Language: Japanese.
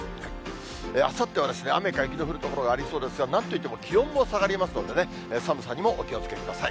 あさっては雨か雪の降る所がありそうですが、なんといっても気温も下がりますのでね、寒さにもお気をつけください。